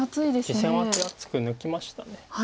実戦は手厚く抜きました。